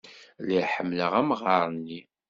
Lliɣ ḥemmleɣ amɣar-nni.